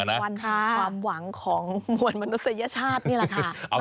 วันความหวังของมวลมนุษยชาตินี่แหละค่ะ